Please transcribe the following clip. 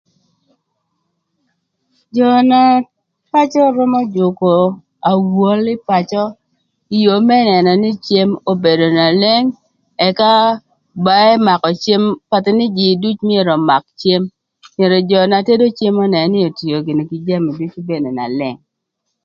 Jö na pacö römö jükö awol ï pacö ï yoo më nënö nï cem obedo na leng, ëka ba ëmakö cem pathï nï jï duc myero ömak cem, myero jö na tedo cem önënö nï etio gïnï kï jamu ducu bene na leng.